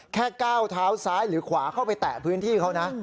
ก้าวเท้าซ้ายหรือขวาเข้าไปแตะพื้นที่เขานะ